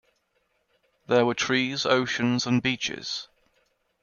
There were trees, oceans and beaches.